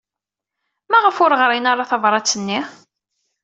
Maɣef ur ɣrin ara tabṛat-nni?